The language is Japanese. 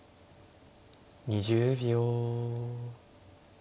２０秒。